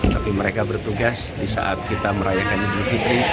tapi mereka bertugas di saat kita merayakan idul fitri